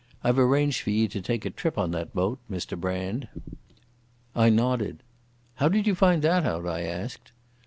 I've arranged for ye to take a trip on that boat, Mr Brand." I nodded. "How did you find out that?" I asked.